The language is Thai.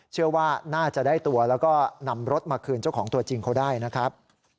เชื่อว่าน่าจะได้ตัวแล้วก็นำรถมาคืนเจ้าของตัวจริงเขาได้นะครับ